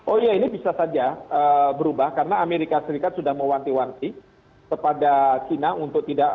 oh iya ini bisa saja berubah karena amerika serikat sudah mewanti wanti kepada china untuk tidak